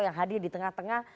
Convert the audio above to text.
yang hadir di tengah tengah